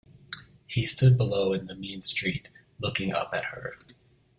He stood below in the mean street, looking up at her.